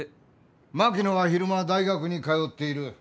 槙野は昼間大学に通っている。